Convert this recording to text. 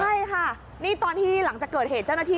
ใช่ค่ะนี่ตอนที่หลังจากเกิดเหตุเจ้าหน้าที่